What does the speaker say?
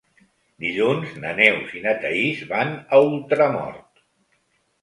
Dilluns na Neus i na Thaís van a Ultramort.